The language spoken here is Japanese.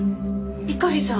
猪狩さん